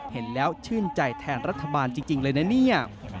เห็นแล้วชื่นใจแทนรัฐบาลจริงเลยนะเนี่ย